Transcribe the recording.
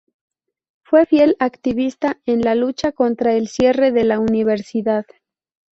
Fue fiel activista en la lucha contra el cierre de la Universidad.